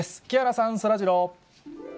木原さん、そらジロー。